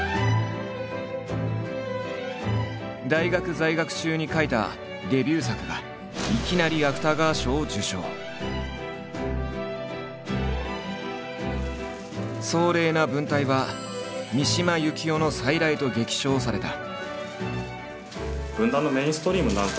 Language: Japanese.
大学在学中に書いたデビュー作がいきなり壮麗な文体は「三島由紀夫の再来」と激賞された。